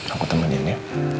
aku temanin ya